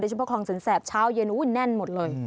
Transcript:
เฉพาะคลองสินแสบเช้าเย็นแน่นหมดเลย